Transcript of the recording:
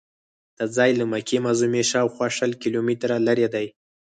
دا ځای له مکې معظمې شاوخوا شل کیلومتره لرې دی.